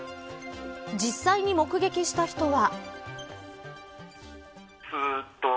実際に目撃した人は。